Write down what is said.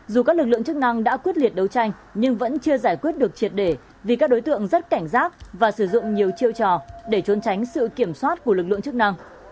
dù các lực lượng chức năng đã quyết liệt đấu tranh nhưng vẫn chưa giải quyết được triệt để vì các đối tượng rất cảnh giác và sử dụng nhiều chiêu trò để trốn tránh sự kiểm soát của lực lượng chức năng